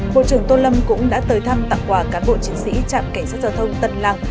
bộ trưởng tô lâm cũng đã tới thăm tặng quà cán bộ chiến sĩ trạm cảnh sát giao thông tân lăng